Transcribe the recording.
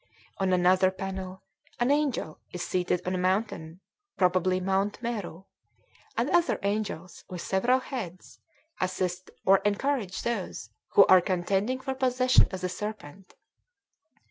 On another panel an angel is seated on a mountain (probably Mount Meru), and other angels, with several heads, assist or encourage those who are contending for possession of the serpent.